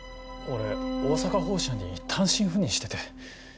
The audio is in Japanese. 俺大阪本社に単身赴任してて。